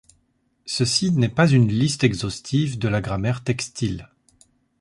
Ceci n'est pas une liste exhaustive de la grammaire Textile.